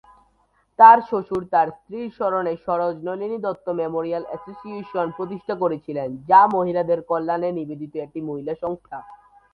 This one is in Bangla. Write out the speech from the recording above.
তাঁর শ্বশুর তাঁর স্ত্রীর স্মরণে সরোজ নলিনী দত্ত মেমোরিয়াল অ্যাসোসিয়েশন প্রতিষ্ঠা করেছিলেন, যা মহিলাদের কল্যাণে নিবেদিত একটি মহিলা সংস্থা।